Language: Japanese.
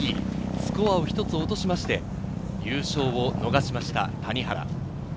スコアを一つ落としまして優勝を逃しました、谷原。